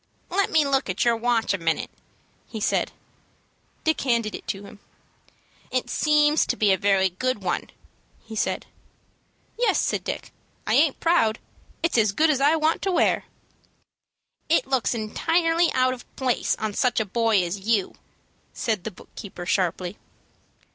"Let me look at your watch a minute," he said. Dick handed it to him. "It seems to be a very good one," he said. "Yes," said Dick; "I aint proud. It's as good as I want to wear." "It looks entirely out of place on such a boy as you," said the book keeper, sharply.